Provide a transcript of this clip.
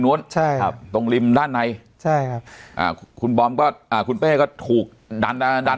ใช่ครับตรงริมด้านในใช่ครับอ่าคุณบอมก็อ่าคุณเป้ก็ถูกดัน